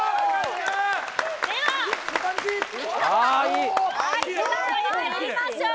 ではまいりましょう。